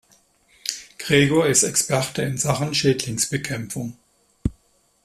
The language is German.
Gregor ist Experte in Sachen Schädlingsbekämpfung.